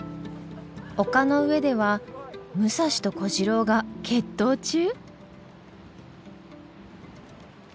丘の上では武蔵と小次郎が決闘中！？